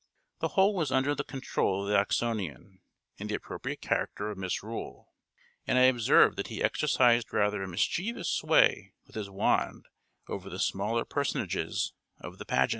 The whole was under the control of the Oxonian, in the appropriate character of Misrule; and I observed that he exercised rather a mischievous sway with his wand over the smaller personages of the pageant.